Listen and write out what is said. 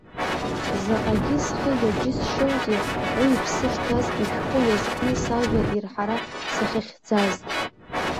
Заҟагьы схы иаџьысшьозеи уи иԥсы шҭаз ишәҟәы иазкны сажәа ирҳара сахьахьӡаз.